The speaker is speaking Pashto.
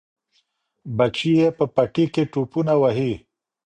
بچي یې په پټي کې ټوپونه وهي.